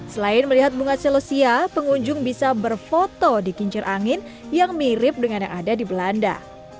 selain melihat bunga celosia pengunjung bisa berfoto di kincir angin yang mirip dengan yang ada di belanda